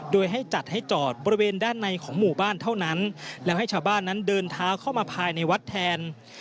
โดยให้จัดให้จอดบริเวณด้านในของหมู่บ้านเท่านั้นแล้วให้ชาวบ้านนั้นเดินเท้าเข้ามาภายในวัดแทน